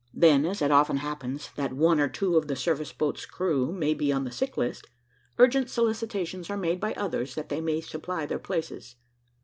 Then, as it often happens, that one or two of the service boats' crews may be on the sick list, urgent solicitations are made by others that they may supply their places.